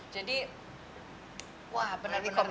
jadi wah benar benar dikasih